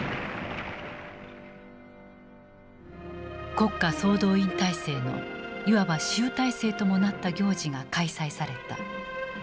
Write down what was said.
国家総動員体制のいわば集大成ともなった行事が開催された。